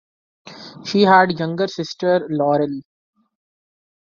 She had a younger sister, Laurel.